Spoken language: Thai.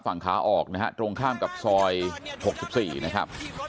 ฝั่งขาออกนะฮะตรงข้ามกับซอย๖๔นะครับ